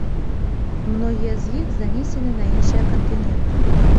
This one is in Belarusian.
Многія з іх занесены на іншыя кантыненты.